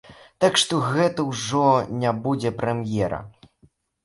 Так што гэта ўжо не будзе прэм'ера.